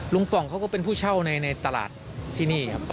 ป่องเขาก็เป็นผู้เช่าในตลาดที่นี่ครับ